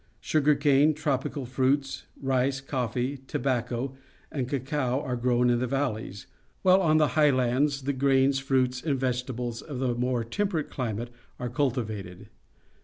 Sugar cane, tropical fruits, rice, coffee, tobacco, and cacao are grown in the valleys, while on the highlands the grains, fruits, and vegetables of a more temperate climate are cultivated.